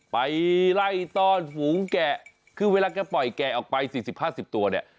ไปไล่ต้อนฝูงแกะคือเวลาแกปล่อยแกะออกไป๔๐๕๐ตัวเนี่ย